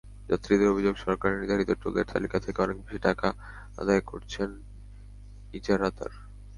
যাত্রীদের অভিযোগ, সরকার-নির্ধারিত টোলের তালিকা থেকে অনেক বেশি টাকা আদায় করছেন ইজারাদার।